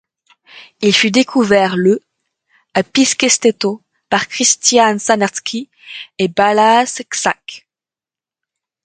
Il fut découvert le à Piszkesteto par Krisztián Sárneczky et Balázs Csák.